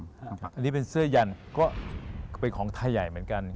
อันนี้เป็นเสื้อยันก็เป็นของไทยใหญ่เหมือนกัน